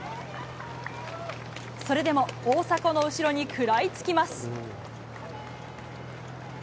それでも、大迫の後ろに食らいつきます。